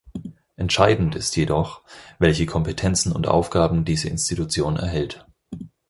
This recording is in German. Entscheidend ist jedoch, welche Kompetenzen und Aufgaben diese Institution erhält.